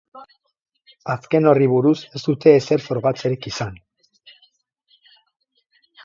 Azken horri buruz ez dute ezer frogatzerik izan.